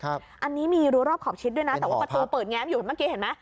อันนี้มีรัวรอบขอบชิดด้วยนะแต่ว่าประตูเปิดแง้มอยู่เห็นเมื่อกี้เห็นไหม